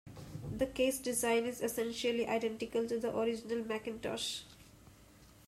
The case design is essentially identical to the original Macintosh.